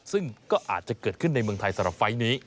ซึ่งก็อาจจะเกิดขึ้นในเมืองไทยสำหรับไฟล์นี้